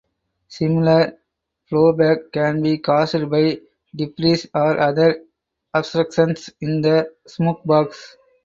Similar blowback can be caused by debris or other obstructions in the smokebox.